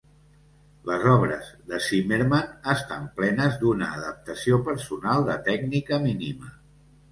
Les obres de Zimmermann estan plenes d'una adaptació personal de tècnica mínima.